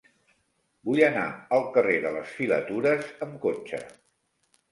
Vull anar al carrer de les Filatures amb cotxe.